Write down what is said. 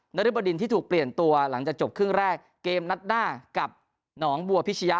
นริบดินที่ถูกเปลี่ยนตัวหลังจากจบครึ่งแรกเกมนัดหน้ากับหนองบัวพิชยะ